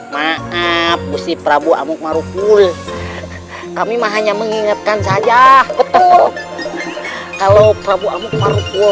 maaf gusti prabowo amukmarukul kami mah hanya mengingatkan saja betul kalau prabowo amukmarukul